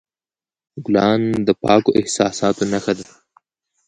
ګلان د پاکو احساساتو نښه ده.